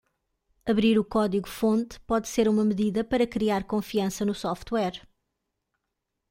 Abrir o código-fonte pode ser uma medida para criar confiança no software.